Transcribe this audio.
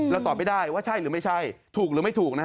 ตอบไม่ได้ว่าใช่หรือไม่ใช่ถูกหรือไม่ถูกนะฮะ